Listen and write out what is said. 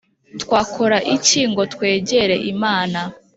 Twakora iki ngo twegere Imana?